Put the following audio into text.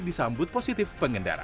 disambut positif pengendara